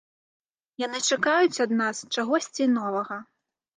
Яны чакаюць ад нас чагосьці новага.